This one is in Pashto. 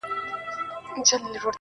چې حمزه بابا درلود